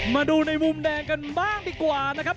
มาดูในมุมแดงกันบ้างดีกว่านะครับ